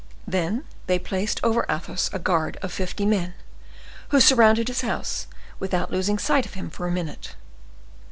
Then they placed over Athos a guard of fifty men, who surrounded his house, without losing sight of him for a minute.